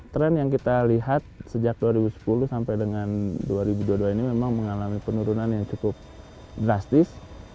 tren yang kita lihat sejak dua ribu sepuluh sampai dengan dua ribu dua puluh dua ini memang mengalami penurunan yang cukup drastis